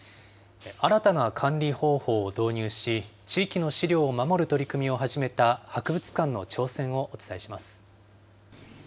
新たな管理方法を導入し、地域の資料を守る取り組みを始めた博物館の挑戦をお伝えします。